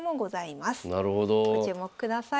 ご注目ください。